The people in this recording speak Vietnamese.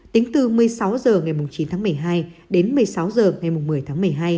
tính từ một mươi sáu h ngày chín tháng một mươi hai đến một mươi sáu h ngày một mươi tháng một mươi hai